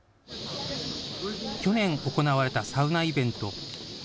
去年行われたサウナイベント。